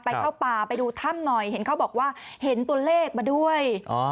เข้าป่าไปดูถ้ำหน่อยเห็นเขาบอกว่าเห็นตัวเลขมาด้วย